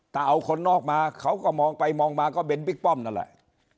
ถ้าเอาคนนอกมาเขาก็มองไปมองมาก็เป็นบิ๊กป้อมนั่นแหละ